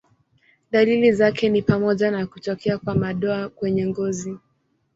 Dalili zake ni pamoja na kutokea kwa madoa kwenye ngozi.